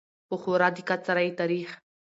په خورا دقت سره يې تاريخ